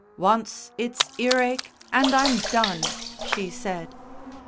"Once it's earache, and I'm done," she said.